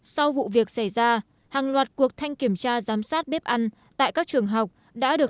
sau vụ việc xảy ra hàng loạt cuộc thanh kiểm tra giám sát bếp ăn tại các trường học đã được